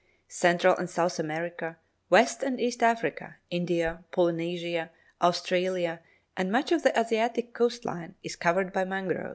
Central and South America, West and East Africa, India, Polynesia, Australia, and much of the Asiatic coast line, is covered by mangroves.